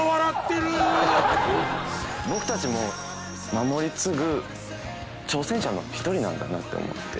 僕たちも守り継ぐ挑戦者の１人なんだなって思って。